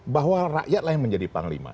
bahwa rakyatlah yang menjadi panglima